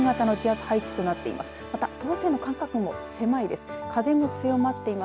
また、等圧線の間隔も狭いです。